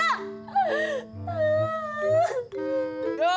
eh agak memingser loh